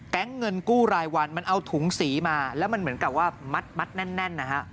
เงินกู้รายวันมันเอาถุงสีมาแล้วมันเหมือนกับว่ามัดแน่นนะฮะ